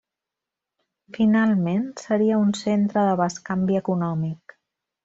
Finalment, seria un centre de bescanvi econòmic.